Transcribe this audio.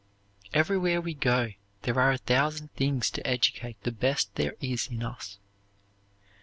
Everywhere we go there are a thousand things to educate the best there is in us.